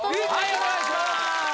はいお願いします